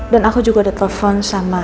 dan aku juga udah telepon sama